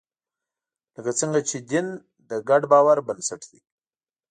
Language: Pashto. لکه څنګه چې دین د ګډ باور بنسټ دی.